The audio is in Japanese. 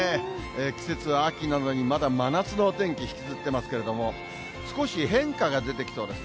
季節は秋なのに、まだ真夏のお天気、引きずってますけれども、少し変化が出てきそうです。